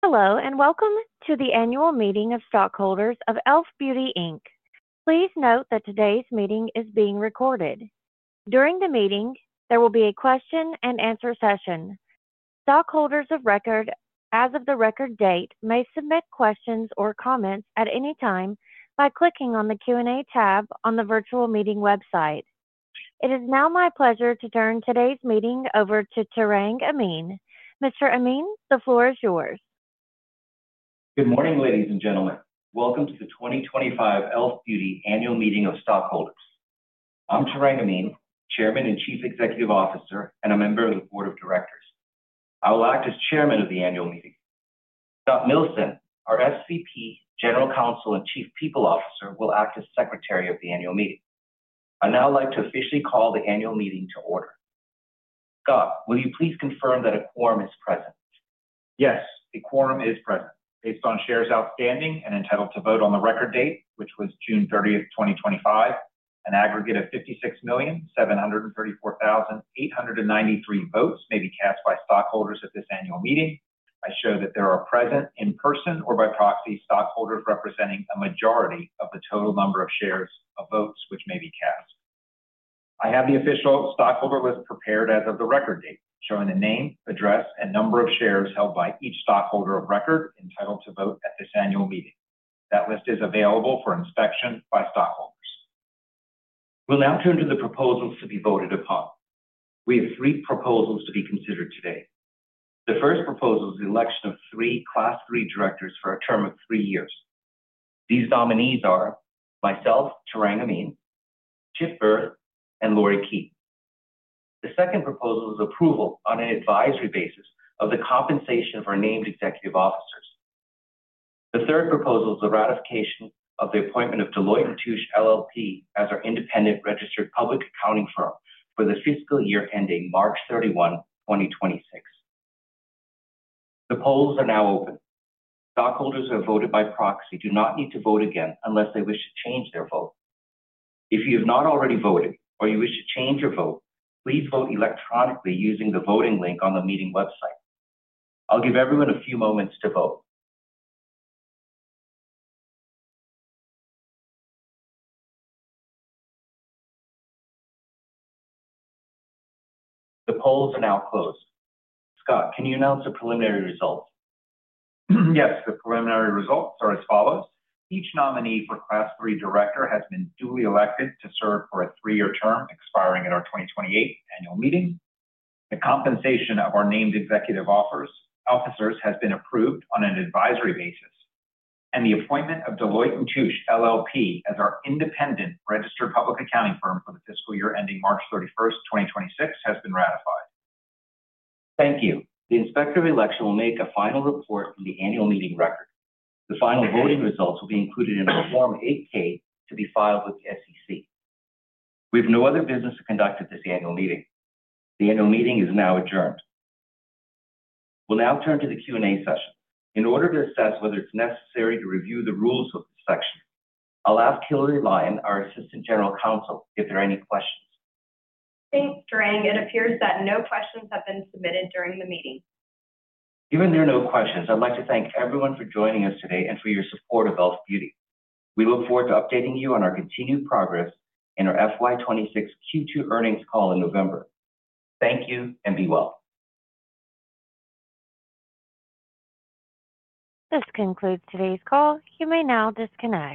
Hello, and welcome to the annual meeting of stockholders of E.L.F. Beauty Inc. Please note that today's meeting is being recorded. During the meeting, there will be a question and answer session. Stockholders of record, as of the record date, may submit questions or comments at any time by clicking on the Q&A tab on the virtual meeting website. It is now my pleasure to turn today's meeting over to Tarang Amin. Mr. Amin, the floor is yours. Good morning, ladies and gentlemen. Welcome to the 2025 E.L.F. Beauty annual meeting of stockholders. I'm Tarang Amin, Chairman and Chief Executive Officer, and a member of the Board of Directors. I will act as Chairman of the annual meeting. Scott Milsten, our FCP, General Counsel, and Chief People Officer, will act as Secretary of the annual meeting. I now like to officially call the annual meeting to order. Scott, will you please confirm that a quorum is present? Yes, a quorum is present. Based on shares outstanding and entitled to vote on the record date, which was June 30, 2025, an aggregate of 56,734,893 votes may be cast by stockholders at this annual meeting. I show that there are present in person or by proxy stockholders representing a majority of the total number of shares of votes which may be cast. I have the official stockholder list prepared as of the record date, showing the name, address, and number of shares held by each stockholder of record entitled to vote at this annual meeting. That list is available for inspection by stockholders. We'll now turn to the proposals to be voted upon. We have three proposals to be considered today. The first proposal is the election of three Class III directors for a term of three years. These nominees are myself, Tarang Amin, Chip Byrd, and Lori Keith. The second proposal is approval on an advisory basis of the compensation of our named executive officers. The third proposal is the ratification of the appointment of Deloitte & Touche LLP as our independent registered public accounting firm for the fiscal year ending March 31, 2026. The polls are now open. Stockholders who have voted by proxy do not need to vote again unless they wish to change their vote. If you have not already voted or you wish to change your vote, please vote electronically using the voting link on the meeting website. I'll give everyone a few moments to vote. The polls are now closed. Scott, can you announce the preliminary results? Yes, the preliminary results are as follows. Each nominee for Class III director has been duly elected to serve for a three-year term expiring at our 2028 annual meeting. The compensation of our named executive officers has been approved on an advisory basis. The appointment of Deloitte & Touche LLP as our independent registered public accounting firm for the fiscal year ending March 31st, 2026, has been ratified. Thank you. The inspector of election will make a final report on the annual meeting record. The final voting results will be included in a Form 8-K to be filed with the SEC. We have no other business to conduct at this annual meeting. The annual meeting is now adjourned. We'll now turn to the Q&A session. In order to assess whether it's necessary to review the rules of the section, I'll ask Hillary Lyons, our Assistant General Counsel, if there are any questions. Thanks, Tarang. It appears that no questions have been submitted during the meeting. Given there are no questions, I'd like to thank everyone for joining us today and for your support of E.L.F. Beauty. We look forward to updating you on our continued progress and our FY 2026 Q2 earnings call in November. Thank you and be well. This concludes today's call. You may now disconnect.